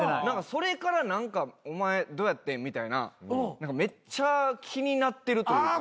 それから「お前どうやってん？」みたいなめっちゃ気になってるというか。